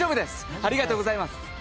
ありがとうございます。